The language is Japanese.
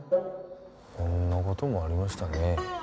ほんなこともありましたね